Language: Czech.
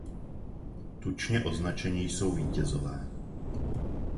Tučně označeni jsou vítězové.